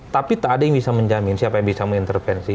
tapi tak ada yang bisa menjamin siapa yang bisa mengintervensi